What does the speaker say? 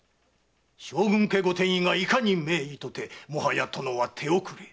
将軍家ご典医がいかに名医とてもはや殿は手遅れ。